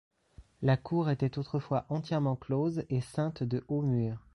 La cour était autrefois entièrement close et ceinte de hauts murs.